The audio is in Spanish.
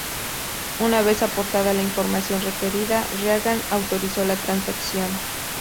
Una vez aportada la información requerida, Reagan autorizó la transacción.